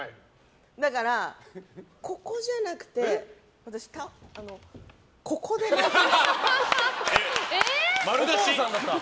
だから、ここじゃなくて丸出し？